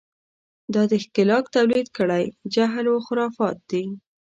دا د ښکېلاک تولید کړی جهل و خرافات دي.